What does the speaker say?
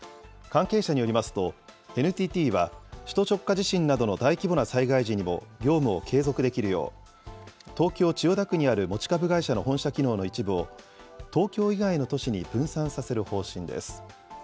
関係者によりますと、ＮＴＴは、首都直下地震などの大規模な災害時にも業務を継続できるよう、東京・千代田区にある持ち株会社の本社機能の一部を、東京以外の都市に分散させる方針です。